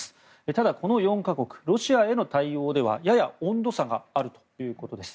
ただ、この４か国ロシアへの対応ではやや温度差があるということです。